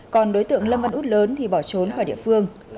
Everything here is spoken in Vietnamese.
còn đối tượng lâm văn út lớn thì bỏ trốn khỏi địa phương